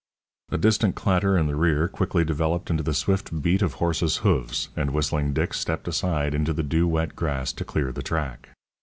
A distant clatter in the rear quickly developed into the swift beat of horses' hoofs, and Whistling Dick stepped aside into the dew wet grass to clear the track.